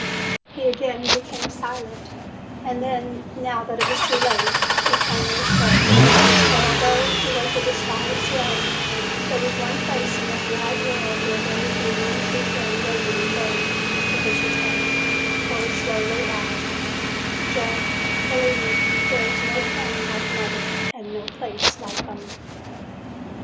He again became silent and then, now that it was too late, he plainly showed, that although he was a despised yegg, there was one place in this wide world where there would be one true friend waiting in vain for his return, for he slowly added, "Joe, believe me, there is no friend like mother and no place like home."